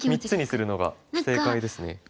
３つにするのが正解ですね。